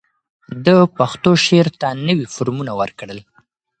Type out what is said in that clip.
ده پښتو شعر ته نوي فورمونه ورکړل